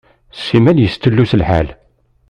Simmal yestullus lḥal.